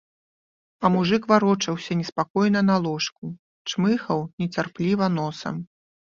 А мужык варочаўся неспакойна на ложку, чмыхаў нецярпліва носам.